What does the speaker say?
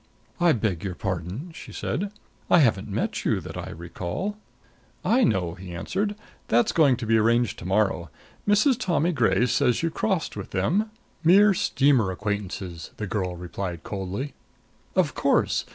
"I beg your pardon," she said. "I haven't met you, that I recall " "I know," he answered. "That's going to be arranged to morrow. Mrs. Tommy Gray says you crossed with them " "Mere steamer acquaintances," the girl replied coldly. "Of course!